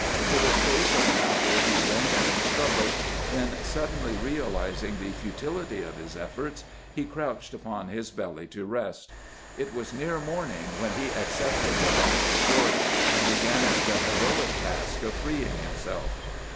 For the space of an hour he wrenched and struggled, then suddenly realizing the futility of his efforts, he crouched upon his belly to rest. It was near morning when he accepted the last resort, and began the heroic task of freeing himself.